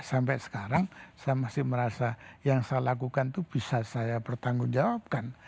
sampai sekarang saya masih merasa yang saya lakukan itu bisa saya pertanggungjawabkan